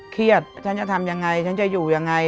เครียดฉันจะทำอย่างไรฉันจะอยู่อย่างไร